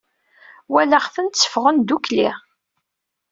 Walaɣ-ten ffɣen ddukkli.